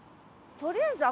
とりあえず。